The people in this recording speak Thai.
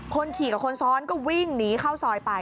คนขี่กับคนซ้อนก็วิ่งหนีเข้าซอยไป